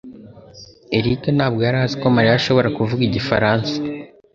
Eric ntabwo yari azi ko Mariya ashobora kuvuga igifaransa.